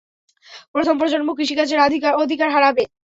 প্রথম প্রজন্ম কৃষিকাজের অধিকার হারাবে।